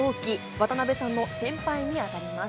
渡辺さんの先輩にあたります。